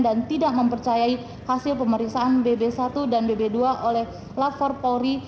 dan tidak mempercayai hasil pemeriksaan bb satu dan bb dua oleh lafortori